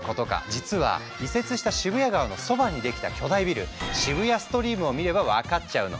実は移設した渋谷川のそばに出来た巨大ビル渋谷ストリームを見れば分かっちゃうの。